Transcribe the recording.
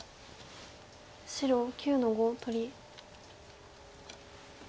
白９の五取り。